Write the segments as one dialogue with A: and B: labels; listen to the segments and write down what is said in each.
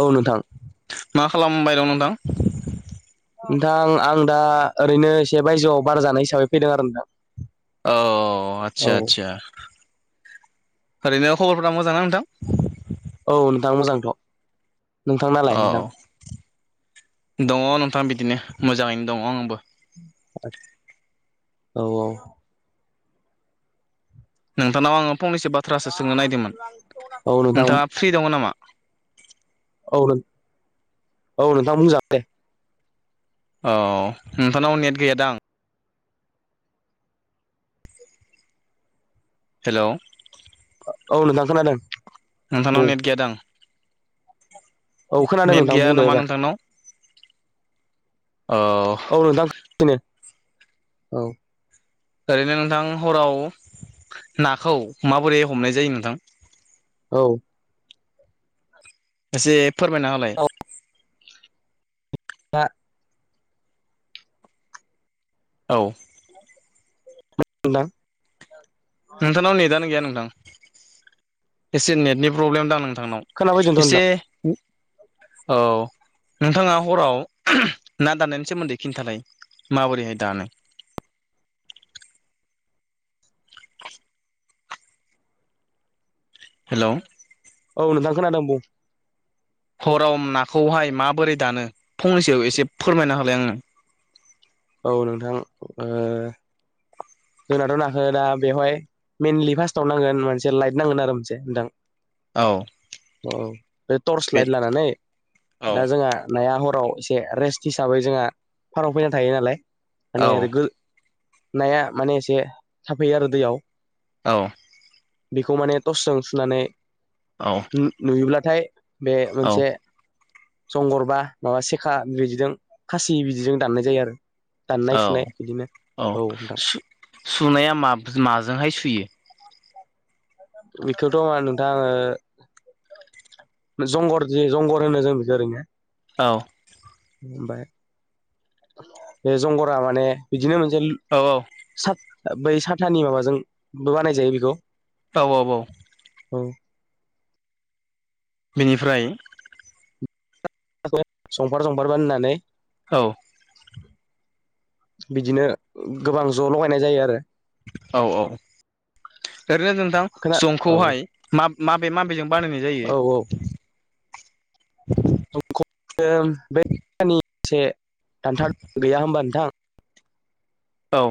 A: औ नोंथां
B: मा खालामबाय दं नोंथां
A: नोंथां आं दा ओरैनो इसे बायजोआव बार जानाय हिसाबै फैदों आरो नोंथां
B: औ
A: औ
B: आतसा आतसा ओरैनो खबरफोरा मोजांना नोंथां?
A: औ नोंथां मोजांथ' नोंथां नालाय
B: औ
A: नोंथां?
B: दङ' नोंथां बिदिनो मोजाङैनो दङ' आंबो
A: औ औ
B: नोंथांनाव आङो फंनैसो बाथ्रासो सोंनो नायदोंमोन
A: औ नोंथां
B: नोंथाङा फ्रि दङ' नामा?
A: औ नों औ नोंथां बुंजागोनदे ।
B: औ नोंथांनाव नेट गैया दां हेल'
A: औ नोंथां खोनादों
B: नोंथांनाव
A: बुं
B: नेट गैया दां
A: औ खोनादों
B: नेट
A: नोंथां
B: गैया
A: बुंदो
B: नामा
A: एबार
B: नोंथांनाव औ
A: औ नोंथां खोनागासिनो औ
B: ओरैनो नोंथां हराव नाखौ माबोरै हमनाय जायो नोंथां?
A: औ
B: एसे फोरमायना होलाय
A: बा
B: औ
A: [unintelligible]
B: नोंथांनाव नेटआनो गैया नोंथां एसे नेटनि प्रब्लेम दां नोंथां
A: खोनाफैदोंथ'
B: नोंथांनाव एसे
A: नोंथां
B: औ नोंथाङा हराव ना दाननायनि सोमोन्दै खिन्थानाय माबोरैहाय दानो हेल'
A: औ नोंथां खोनादों बुं
B: हराव नाखौहाय माबोरै दानो फंनैसो एसे फोरमायना होलाय आंनो [unintelligible]
A: औ नोंथां ओ जोंनाथ' नाखो दा बेवहाय मइनलि फार्स्टआव नांगोन मोनसे लाइट नांगोन आरो मोनसे नोंथां
B: औ
A: औ बे टर्स लाइट लानानै
B: औ
A: दा जोंहा नाया हराव एसे रेस्ट हिसाबै जोंहा फाराव फैना थायो नालाय
B: औ
A: माने ओरैग नाया माने एसे थाफैयो आरो दैयाव
B: औ
A: बेखौ माने टर्सजों सुनानै
B: औ
A: नु नुयोब्लाथाय बे
B: औ
A: मोनसे जंगरबा माबा सेखा बेबायदिजों खासि बिदिजों दाननाय जायो आरो दाननाय
B: औ
A: सुनाय बिदिनो औ नोंथां
B: सुनाया माब माजोंहाय सुयो
A: बेखौथ' नोंथां आङो जंगर ज जंगर होनो जों बिखौ ओरैनो
B: औ
A: ओमफ्राय बे जंगरा माने बिदिनो मोनसे
B: औ
A: बै साथानि माबाजोंबो बानायजायो बेखौ
B: औ औ औ
A: औ
B: बेनिफ्राय
A: जंफार जंफार बानायनानै
B: औ
A: बिदिनो गोबां ज' लगायनाय जायो आरो
B: औ औ ओरैनो नोंथां
A: खोना औ
B: जंखौहाय मा माबे माबेजों बानायनाय
A: औ औ
B: जायो
A: [unintelligible] गैया होनोमबा नोंथां
B: औ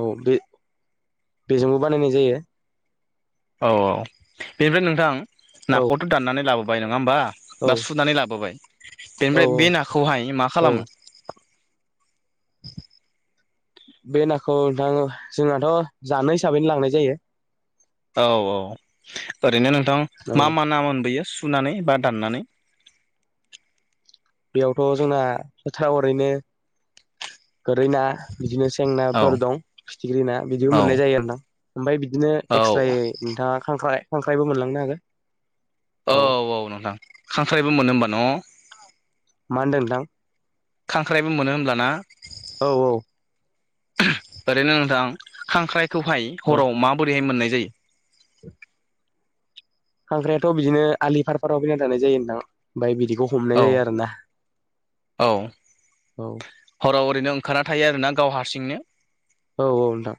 A: औ बे बेजोंबो बानायनाय जायो
B: औ औ बेनिफ्राय नोंथां
A: औ
B: नाखौथ' दाननानै लाबोबाय नङा होमबा
A: औ
B: बा सुनानै लाबोबाय
A: औ
B: बेनिफ्राय बे नाखौहाय मा
A: औ
B: खालामो
A: बे नाखौ नोंथां जोंहथ' जानो हिसाबैनो लांनाय जायो
B: औ औ ओरैनो नोंथां
A: औ
B: मा मा नाम मोनबोयो सुनानै बा दाननानै
A: बेयावथ' जोंना बोथाराव ओरैनो गोरै ना बिदिनो सें
B: औ
A: नाफोर दं फिथिख्रि ना बिदिबो
B: औ
A: मोननाय जायो आरो ना ओमफ्राय बिदिनो
B: औ
A: एक्सट्रायै नोंथाङा खख्राइ खांख्राइबो मोनलांनो हागोन
B: औ औ नोंथां खांख्राइबो मोनो होमबा न'?
A: मा होनदों नोंथां?
B: खांख्राइबो मोनो होमब्ला ना?
A: औ औ
B: ओरैनो नोंथां खांख्राइखौहाय
A: औ
B: हराव माबोरैहाय मोननाय जायो
A: खांख्रायाथ' बिदिनो आलि पार फाराव फैना थानाय जायो नोंथां ओमफ्राय बिदि बेखौ
B: औ
A: हमनाय जायो आरोना
B: औ
A: औ
B: हराव ओरैनो ओंखारा थायो आर ना गाव हारसिंनो
A: औ औ नोंथां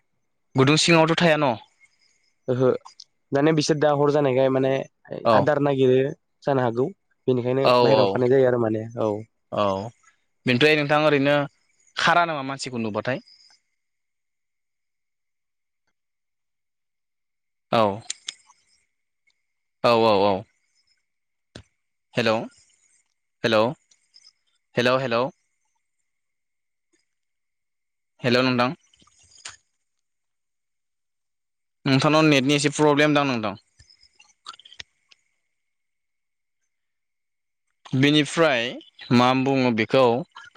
B: गुदुं सिङावथ थाया न?
A: ओहो माने बिसोर दा हर जानायखाय माने
B: औ
A: आदार नागिरो जानो हागौ बेनिखायनो
B: औ औ
A: बाहेरायाव ओंखारनाय जायो आरो माने औ
B: औ बेनिफ्राय नोंथां ओरैनो खारा नामा मानसिखौ नुबाथाय? औ औ औ औ हेल हेल हेल हेल हेल नोंथां नोंथांनाव नेटनि एसे प्रब्लेम दां नोंथां बेनिफ्राय मा बुङो बेखौ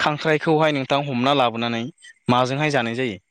B: खांख्राइखौहाय नोंथां हमना लाबोनानै माजोंहाय जानाय जायो?